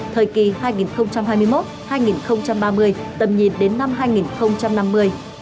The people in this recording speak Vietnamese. thời kỳ hai nghìn hai mươi một hai nghìn ba mươi tầm nhìn đến năm hai nghìn năm mươi